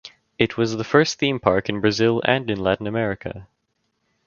It was the first theme park in Brazil and in Latin America.